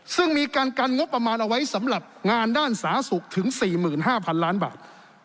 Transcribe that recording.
ซึ่งมีการกันงบประมาณเอาไว้สำหรับงานด้านสาศุกร์ถึงสี่หมื่นห้าพันล้านบาท